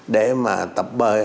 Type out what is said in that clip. để mà tập bơi